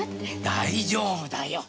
大丈夫だよ。